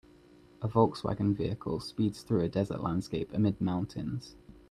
A Volkswagen vehicle speeds through a desert landscape amid mountains.